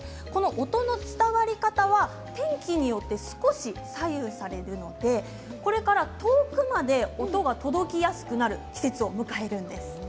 音の伝わり方は天気によって少し左右されるのでこれから遠くまで音が届きやすくなる季節を迎えるんです。